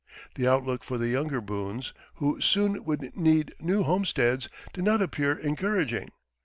The outlook for the younger Boones, who soon would need new homesteads, did not appear encouraging.